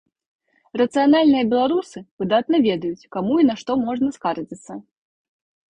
Рацыянальныя беларусы выдатна ведаюць, каму і на што можна скардзіцца.